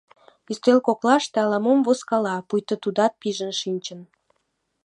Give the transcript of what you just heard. Ӱстел коклаште ала-мом возкала, пуйто тудат пижын шинчын.